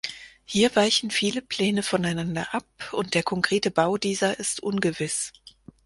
Hier weichen viele Pläne voneinander ab und der konkrete Bau dieser ist ungewiss.